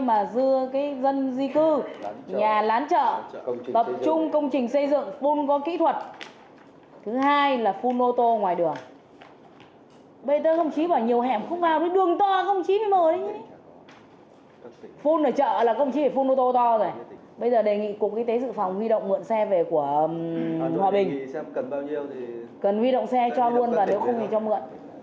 bây giờ đề nghị cục y tế dự phòng huy động mượn xe về của hòa bình cần huy động xe cho luôn và nếu không thì cho mượn